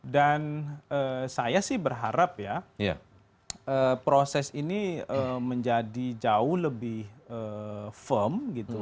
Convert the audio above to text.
dan saya sih berharap ya proses ini menjadi jauh lebih firm